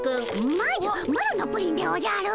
まずマロのプリンでおじゃる。